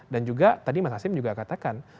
dan juga tadi mas hasim juga katakan